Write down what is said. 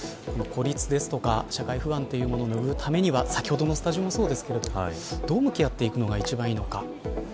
孤立ですとか、社会不安というものを拭うためには先ほどのスタジオもそうですけどどう向き合っていくのが一番いいのか。